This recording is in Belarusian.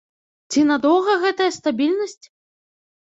Ці надоўга гэтая стабільнасць?